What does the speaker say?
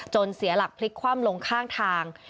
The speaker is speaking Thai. เสียหลักพลิกคว่ำลงข้างทาง